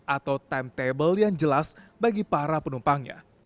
atau timetable yang jelas bagi para penumpangnya